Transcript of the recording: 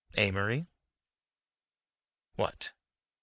"Amory." "What?"